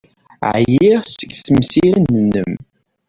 Ɛyiɣ seg temsirin-nnem.